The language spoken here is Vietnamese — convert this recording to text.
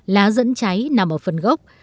lá dẫn cháy nằm ở phần gốc